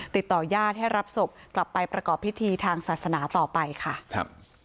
ติดต่อญาติให้รับศพกลับไปประกอบพิธีทางศาสนาต่อไปค่ะครับ